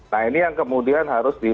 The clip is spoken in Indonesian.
nah ini yang kemudian harus di